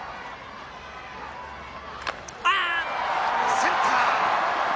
センター。